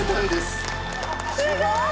すごい！